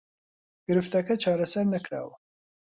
گرفتەکە چارەسەر نەکراوە